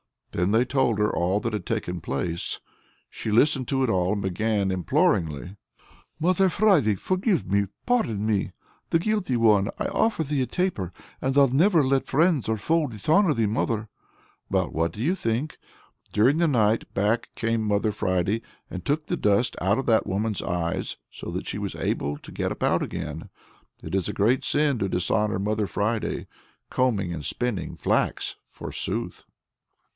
Then they told her all that had taken place. She listened to it all, and then began imploringly: "Mother Friday, forgive me! pardon me, the guilty one! I'll offer thee a taper, and I'll never let friend or foe dishonor thee, Mother!" Well, what do you think? During the night, back came Mother Friday and took the dust out of that woman's eyes, so that she was able to get about again. It's a great sin to dishonor Mother Friday combing and spinning flax, forsooth!